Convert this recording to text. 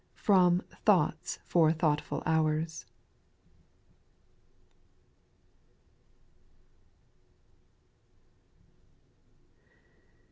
FROM THOUGHTS FOR THOUGHTFUL HOURS.